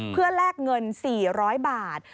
เพื่อแลกเงิน๔๐๐บาท